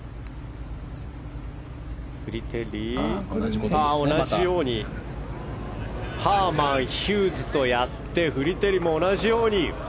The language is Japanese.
フリテリ、同じようにハーマン、ヒューズとやってフリテリも同じように！